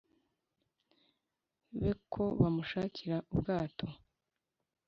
Be ko bamushakira ubwato